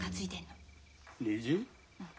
うん。